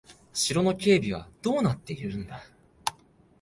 城の警備はどうなっているんだ。